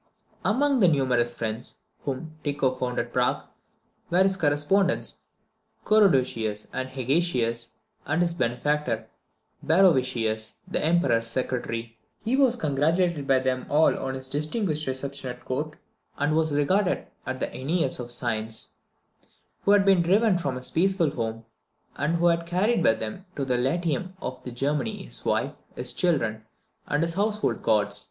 Among the numerous friends whom Tycho found at Prague, were his correspondents Coroducius and Hagecius, and his benefactor Barrovitius, the Emperor's secretary. He was congratulated by them all on his distinguished reception at court, and was regarded as the Æneas of science, who had been driven from his peaceful home, and who had carried with him to the Latium of Germany his wife, his children, and his household gods.